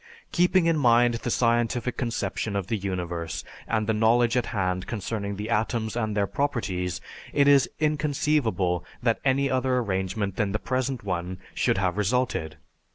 Keeping in mind the scientific conception of the universe and the knowledge at hand concerning the atoms and their properties, it is inconceivable that any other arrangement than the present one should have resulted.